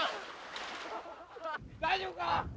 大丈夫か！